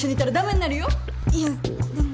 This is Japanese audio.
いやでも。